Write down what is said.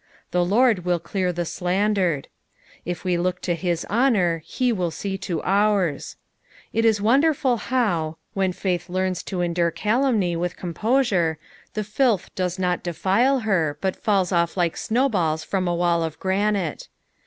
The Lord will clear the slandered. If we look to his honour, he wilt see to ours. It is wonderful how, when faith lefirns to endure calumny with composure, the tilth does not deSlo her, but fulls off like snow balU from a wall of granite.